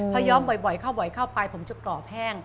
ถ้ายอมบ่อยเข้าไปกล่อแพ่ง